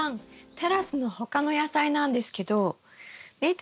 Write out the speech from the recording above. テラスの他の野菜なんですけど見て下さい！